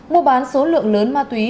mua bán số lượng lớn ma túy